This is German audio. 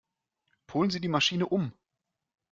Polen Sie die Maschine um!